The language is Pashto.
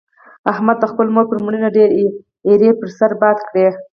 احمد د خپلې مور پر مړینه ډېرې ایرې پر سر باد کړلې.